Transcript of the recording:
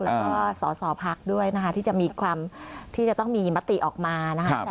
แล้วก็ส่อพักษณ์ด้วยที่จะมีความที่จะต้องมีมติออกมา